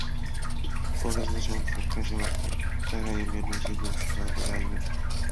伯利兹政府开设了灾害应变中心并疏散了多家医院。